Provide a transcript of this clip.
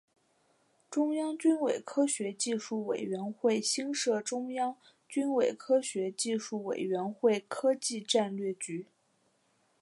中央军委科学技术委员会新设中央军委科学技术委员会科技战略局。